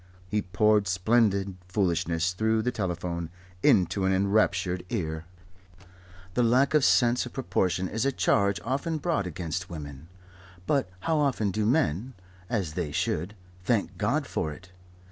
He poured splendid foolishness through the telephone into an enraptured ear. The lack of a sense of proportion is a charge often brought against women; but how often do men (as they should) thank God for it?